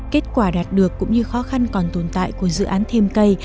kết quả đạt được cũng như khó khăn còn tồn tại của dự án thêm cây